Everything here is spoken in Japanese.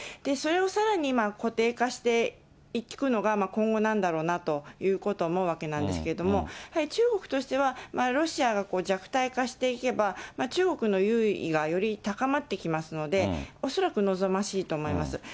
それをさらに固定化していくのが今後なんだろうなということも思うわけなんですけれども、中国としては、ロシアが弱体化していけば、中国の優位がより高まってきますので、恐らく望ましいと思います。